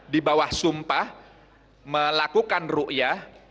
di bawah sumpah melakukan ru'yah